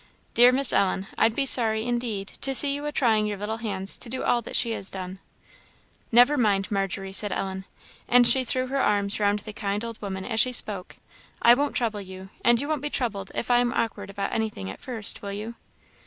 Dear Miss Ellen, I'd be sorry, indeed, to see you a trying your little hands to do all that she done." "Never mind, Margery," said Ellen and she threw her arms round the kind old woman as she spoke "I won't trouble you and you won't be troubled if I am awkward about anything at first, will you?"